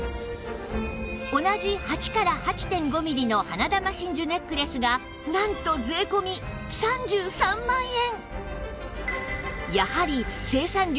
同じ８から ８．５ ミリの花珠真珠ネックレスがなんと税込３３万円！